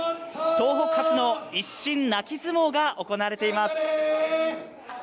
東北初の一心泣き相撲が行われています。